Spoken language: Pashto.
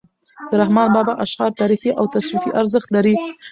د رحمان بابا اشعار تاریخي او تصوفي ارزښت لري .